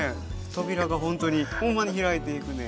扉がほんとにほんまに開いていくね。